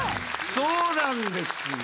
そうなんですよ。